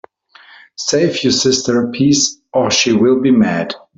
Save you sister a piece, or she will be mad.